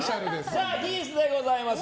ザ・ギースでございます。